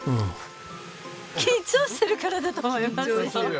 緊張してるからだと思いますよ。